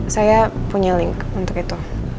saya punya link untuk itu